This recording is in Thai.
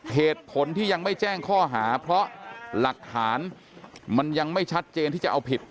เหตุผลที่ยังไม่แจ้งข้อหาเพราะหลักฐานมันยังไม่ชัดเจนที่จะเอาผิด